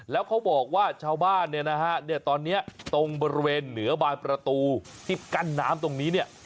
แล้วเขาบอกว่าชาวบ้านเนี่ยนะฮะเนี่ยตอนนี้ตรงบริเวณเหนือบานประตูที่กั้นน้ำตรงนี้เนี่ย